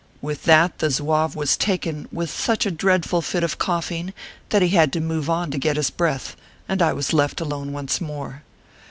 With that the Zouave was taken with such a dread ful fit of coughing that he had to move on to get his breath, and I was left alone once more.